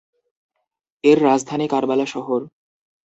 এর রাজধানী কারবালা শহর।